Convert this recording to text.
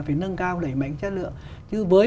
phải nâng cao đẩy mạnh chất lượng chứ với